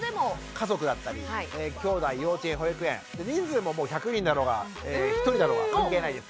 家族だったりきょうだい幼稚園保育園人数ももう１００人だろうが１人だろうが関係ないです。